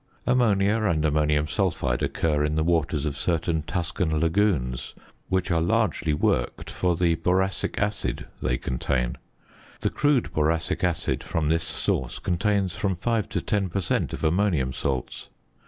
Ammonia and ammonium sulphide occur in the waters of certain Tuscan lagoons, which are largely worked for the boracic acid they contain. The crude boracic acid from this source contains from 5 to 10 per cent. of ammonium salts.